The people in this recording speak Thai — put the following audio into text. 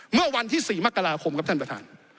เมื่อวันที่๔มกราคมครับท่านประธาน